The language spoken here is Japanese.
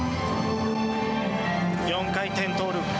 ４回転トーループ。